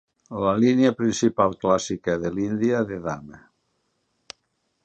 La línia principal clàssica de l'índia de dama.